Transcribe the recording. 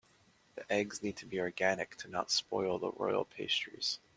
The eggs need to be organic to not spoil the royal pastries.